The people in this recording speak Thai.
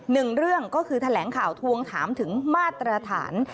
หนึ่งเรื่องก็คือแถลงข่าวทวงถามถึงมาตรฐาน